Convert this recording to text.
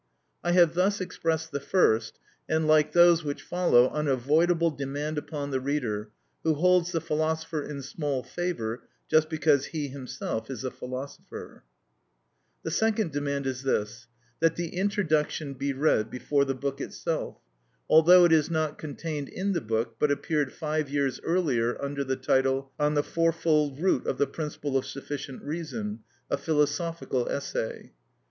I have thus expressed the first, and like those which follow, unavoidable demand upon the reader, who holds the philosopher in small favour just because he himself is a philosopher. The second demand is this, that the introduction be read before the book itself, although it is not contained in the book, but appeared five years earlier under the title, "Ueber die vierfache Wurzel des Satzes vom zureichenden Grunde: eine philosophische Abhandlung" (On the fourfold root of the principle of sufficient reason: a philosophical essay).